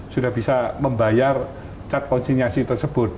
sudah bisa membayar cat konsinyasi tersebut